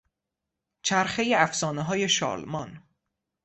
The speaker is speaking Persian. چرخهی افسانههای شارلمان